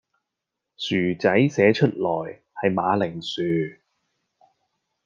薯仔寫出來係馬鈴薯